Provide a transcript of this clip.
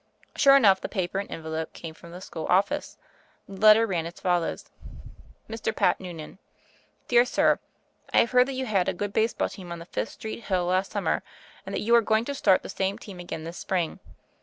Sure enough the paper and envelope came from the school office. The letter ran as follows : Mr. Pat Noonan. Dear Sir: I have heard that you had a good baseball team on the Fifth Street hill last summer, and that you are going to start the same team again this spring.